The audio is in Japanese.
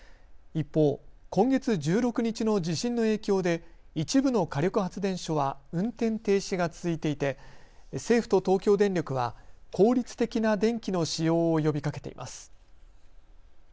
一方、今月１６日の地震の影響で一部の火力発電所は運転停止が続いていて政府と東京電力は効率的な電気の使用を呼びかけています。